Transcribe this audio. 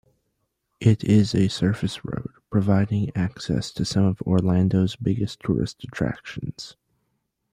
It is a surface road providing access to some of Orlando's biggest tourist attractions.